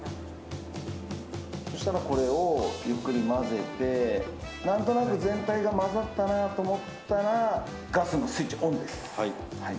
そうしたらこれをゆっくり混ぜて何となく全体が混ざったなと思ったらガスのスイッチオンです。